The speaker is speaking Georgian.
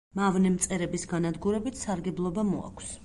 მავნე მწერების განადგურებით სარგებლობა მოაქვს.